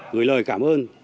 người lời cảm ơn